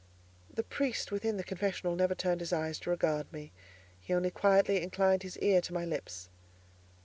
The priest within the confessional never turned his eyes to regard me; he only quietly inclined his ear to my lips.